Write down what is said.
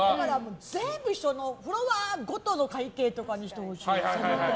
全部、一緒のフロアごとの会計とかにしてほしい。